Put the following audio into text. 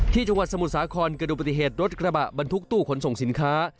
จังหวัดสมุทรสาครเกิดดูปฏิเหตุรถกระบะบรรทุกตู้ขนส่งสินค้า